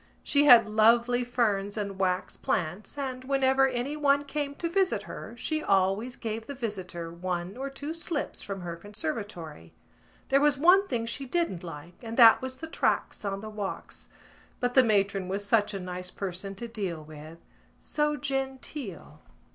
She had lovely ferns and wax plants and, whenever anyone came to visit her, she always gave the visitor one or two slips from her conservatory. There was one thing she didn't like and that was the tracts on the walks; but the matron was such a nice person to deal with, so genteel.